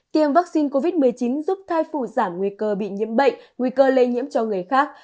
tiêm vaccine covid một mươi chín giúp thai phụ giảm nguy cơ bị nhiễm bệnh nguy cơ lây nhiễm cho người khác